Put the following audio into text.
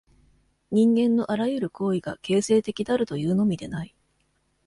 人間のあらゆる行為が形成的であるというのみでない。